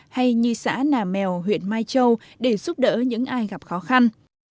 hay như xã nà mèo huyện mai châu để giúp đỡ những ai gặp khó khăn